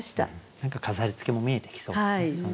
何か飾りつけも見えてきそうな